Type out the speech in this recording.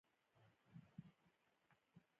احمد پرون په غونډه کې ګڼ ليکوالان په غوږ ووهل.